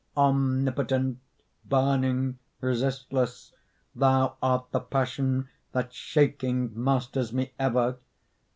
Omnipotent, burning, resistless, Thou art the passion that shaking Masters me ever.